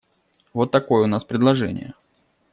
Вот такое у нас предложение.